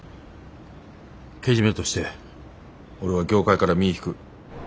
けじめとして俺は業界から身ぃ引く。